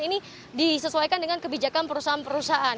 ini disesuaikan dengan kebijakan perusahaan perusahaan